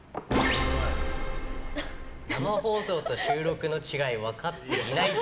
生放送と収録の違い分かってないっぽい。